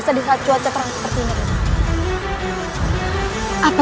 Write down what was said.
semoga allah selalu melindungi kita